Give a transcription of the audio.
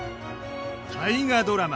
大河ドラマ